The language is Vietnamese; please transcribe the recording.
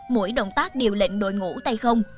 mỗi động tác điều lệnh đội ngũ tay không